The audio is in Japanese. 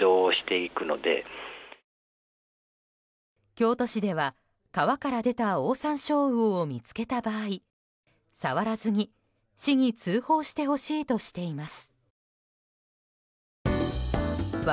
京都市では川から出たオオサンショウウオを見つけた場合触らずに、市に通報してほしいとしています。